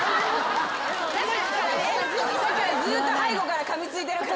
ずっと背後からかみついてる感じ。